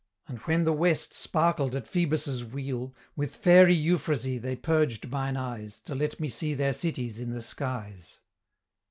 And when the West sparkled at Phoebus' wheel, With fairy euphrasy they purged mine eyes, To let me see their cities in the skies."